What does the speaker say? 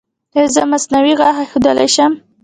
ایا زه مصنوعي غاښ ایښودلی شم؟